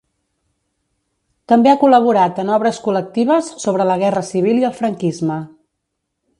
També ha col·laborat en obres col·lectives sobre la guerra civil i el franquisme.